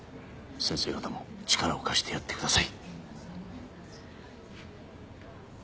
先生方も力を貸してやってください。